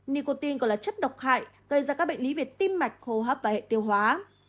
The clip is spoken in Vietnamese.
nicotine còn là chất độc hại gây ra các bệnh lý về tim mạch hô hấp và hệ tiêu hóa